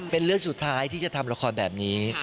เป็นรักษะสุดท้ายที่จะทำราคอร์แบบนี้